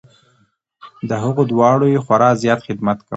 د هغو دواړو یې خورا زیات خدمت کول .